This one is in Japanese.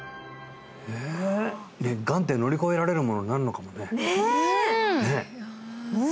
がんって乗り越えられるものになるのかもねねえうん！